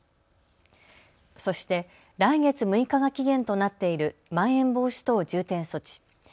そして来月６日が期限となっているまん延防止等重点措置。